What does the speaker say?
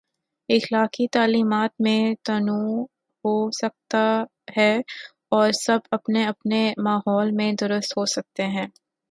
اخلاقی تعلیمات میں تنوع ہو سکتا ہے اور سب اپنے اپنے ماحول میں درست ہو سکتے ہیں۔